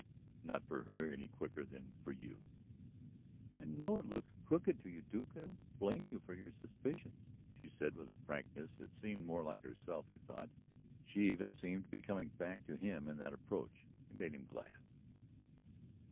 "Not for her any quicker than for you." "I know it looks crooked to you, Duke I don't blame you for your suspicions," she said with a frankness that seemed more like herself, he thought. She even seemed to be coming back to him in that approach. It made him glad.